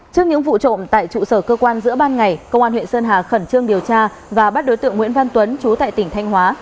trước những vụ trộm tại trụ sở cơ quan giữa ban ngày công an huyện sơn hà khẩn trương điều tra và bắt đối tượng nguyễn văn tuấn chú tại tỉnh thanh hóa